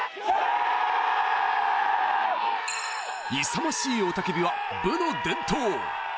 勇ましい雄たけびは、部の伝統。